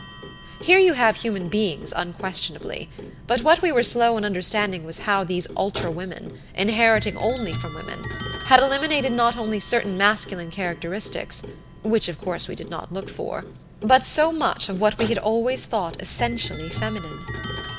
Here you have human beings, unquestionably, but what we were slow in understanding was how these ultra women, inheriting only from women, had eliminated not only certain masculine characteristics, which of course we did not look for, but so much of what we had always thought essentially feminine.